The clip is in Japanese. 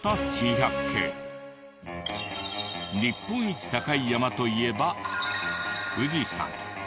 日本一高い山といえば富士山。